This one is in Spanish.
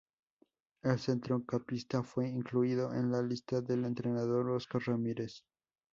El centrocampista fue incluido en la lista del entrenador Óscar Ramírez.